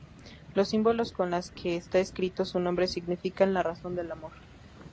Los símbolos con los que está escrito su nombre significan "La razón del amor".